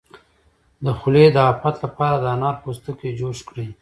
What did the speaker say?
د خولې د افت لپاره د انار پوستکی جوش کړئ